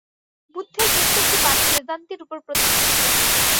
বুদ্ধের প্রত্যেকটি বাণী বেদান্তের উপর প্রতিষ্ঠিত।